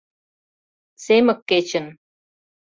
Семык кечын